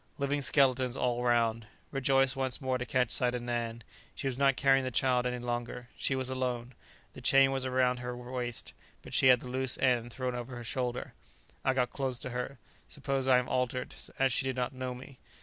Living skeletons all round. Rejoiced once more to catch sight of Nan. She was not carrying the child any longer; she was alone; the chain was round her waist, but she had the loose end thrown over her shoulder. I got close to her; suppose I am altered, as she did not know me.